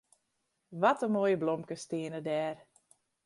Wat in moaie blomkes steane dêr.